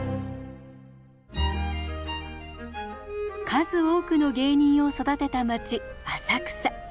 数多くの芸人を育てた町浅草。